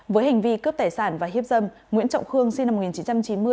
với hành vi cướp tài sản và hiếp dâm nguyễn trọng khương sinh năm một nghìn chín trăm chín mươi